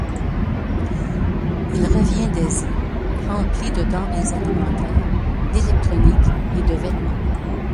Il revient d'Asie rempli de denrées alimentaires, d'électronique et de vêtements.